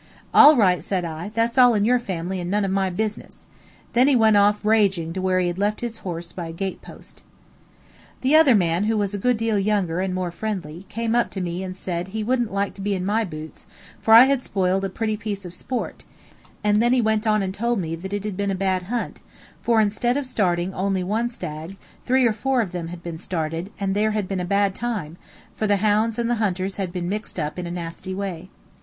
"All right," said I; "that's all in your family and none of my business." Then he went off raging to where he had left his horse by a gatepost. The other man, who was a good deal younger and more friendly, came up to me and said he wouldn't like to be in my boots, for I had spoiled a pretty piece of sport; and then he went on and told me that it had been a bad hunt, for instead of starting only one stag, three or four of them had been started, and they had had a bad time, for the hounds and the hunters had been mixed up in a nasty way.